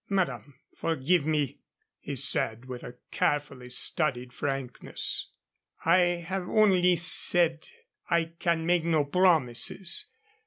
"Madame, forgive me," he said, with a carefully studied frankness. "I have only said I can make no promises.